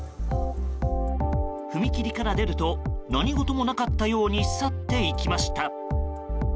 踏切から出ると何事もなかったように去っていきました。